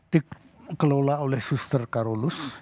dikelola oleh suster karolus